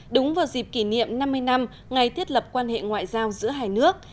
đúng vào dịp kỷ niệm năm mươi năm ngày thiết lập quan hệ ngoại giao giữa hai nước